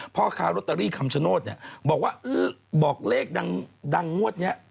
เพราะว่าคาร์โรตเตอรี่คำชะโนธนี่บอกว่าอื๊บอกเลขดังมวดเนี่ย